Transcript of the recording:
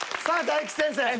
さあ大吉先生。